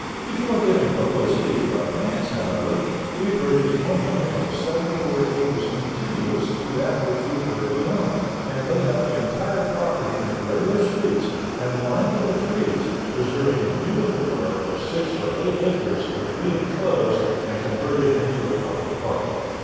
Before giving publicity to our plans, however, we purchased one hundred and seventy four acres contiguous to that which we already owned, and laid out the entire property in regular streets, and lined them with trees, reserving a beautiful grove of six or eight acres, which we inclosed, and converted into a public park.